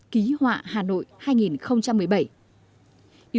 ký hòa hà nội hai nghìn một mươi bảy tại trung tâm thông tin văn hóa hổ gươm